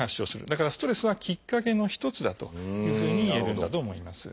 だからストレスはきっかけの一つだというふうにいえるんだと思います。